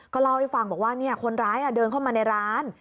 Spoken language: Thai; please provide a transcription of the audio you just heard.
เล่าให้ฟังบอกว่าคนร้ายเดินเข้ามาในร้าน